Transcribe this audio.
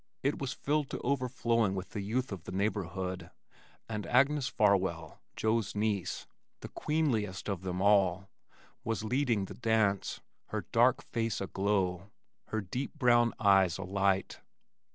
It was filled to overflowing with the youth of the neighborhood, and Agnes Farwell, Joe's niece, the queenliest of them all, was leading the dance, her dark face aglow, her deep brown eyes alight.